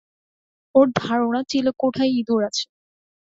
ওর ধারণা চিলেকোঠায় ইঁদুর আছে।